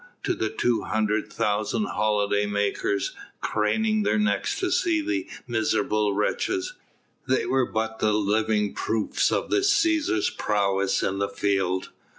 To the two hundred thousand holiday makers, craning their necks to see the miserable wretches, they were but the living proofs of the Cæsar's prowess in the field.